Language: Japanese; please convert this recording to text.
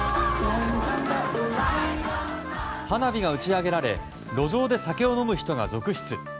花火が打ち上げられ路上で酒を飲む人が続出。